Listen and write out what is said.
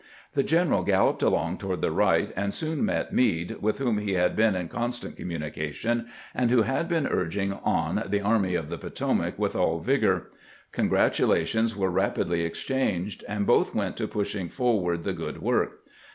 The general galloped along toward the right, and soon met Meade, with whom he had been in constant communication, and who had been urging on the Army of the Potomac with all vigor. Congratulations were rapidly exchanged, and both went to pushing forward the good work.